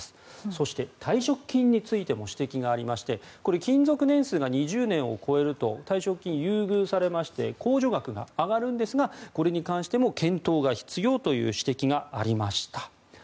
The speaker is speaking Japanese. そして退職金についても指摘がありましてこれ、勤続年数が２０年を超えると退職金が優遇されまして控除額が上がるんですがこれに関しても検討が必要という指摘がありました。